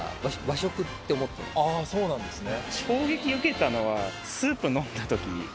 あぁそうなんですね。